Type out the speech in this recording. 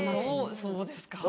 そうですか？